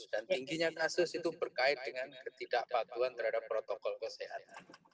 dan tingginya kasus itu berkait dengan ketidakpatuan terhadap protokol kesehatan